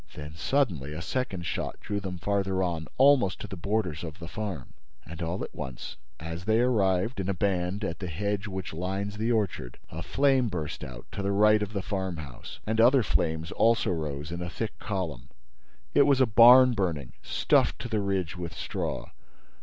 Then, suddenly, a second shot drew them farther on, almost to the borders of the farm. And, all at once, as they arrived, in a band, at the hedge which lines the orchard, a flame burst out, to the right of the farmhouse, and other flames also rose in a thick column. It was a barn burning, stuffed to the ridge with straw.